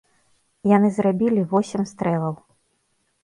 Яны зрабілі восем стрэлаў.